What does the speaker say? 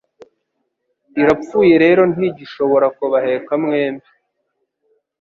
Irapfuye rero ntigishobora kubaheka mwembi.